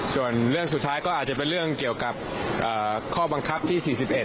ส่วนเรื่องสุดท้ายก็อาจจะเป็นเรื่องเกี่ยวกับข้อบังคับที่๔๑